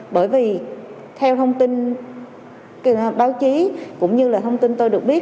bởi vì theo thông tin báo chí cũng như là thông tin tôi được biết